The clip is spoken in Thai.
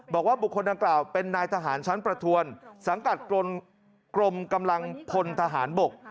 บอกว่าบุคคลดังกล่าวเป็นนายทหารชั้นประทวนสังกัดกรมกำลังพลทหารบก